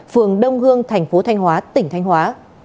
phường đông hương thành phố thanh hóa tỉnh thanh hóa